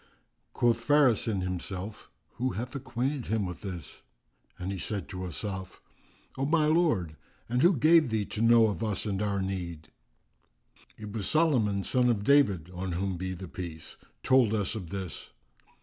Quoth Faris in himself, "Who acquainted him with this?"; and he said to Asaf,[FN#361] "O my lord, and who gave thee to know of us and our need?" "It was Solomon son of David (on whom be the Peace!), told us of this!"